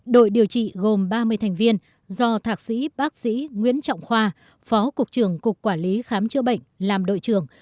đội điều trị gồm ba mươi thành viên do thạc sĩ bác sĩ nguyễn trọng khoa phó cục trưởng cục quản lý khám chữa bệnh làm đội trưởng